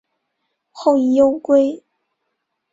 后以忧归。